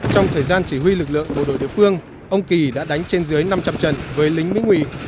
trong thời gian chỉ huy lực lượng bộ đội địa phương ông kỳ đã đánh trên dưới năm trăm linh trận với lính mỹ nguyện